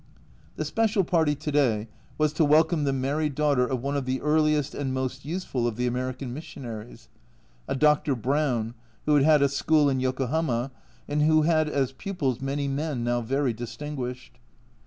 The special party to day was to welcome the married daughter of one of the earliest and most useful of the American missionaries, a Dr. Brown, who had had a school in Yokohama, and who had as pupils many men now very distinguished.